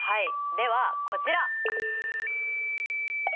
ではこちら！